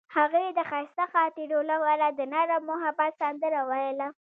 هغې د ښایسته خاطرو لپاره د نرم محبت سندره ویله.